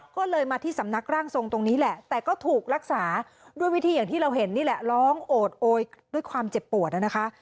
ก็เลยมาที่สำนักร่างทรงตรงนี้แหละแต่ก็ถูกรักษาด้วยวิธีอย่างที่เราเห็นนี่แหละร้องโอดโอยด้วยความเจ็บปวดนะคะ